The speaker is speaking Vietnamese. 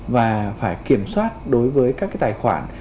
và phải kiểm soát đối với các tài khoản